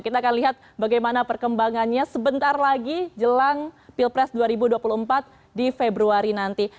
kita akan lihat bagaimana perkembangannya sebentar lagi jelang pilpres dua ribu dua puluh empat di februari nanti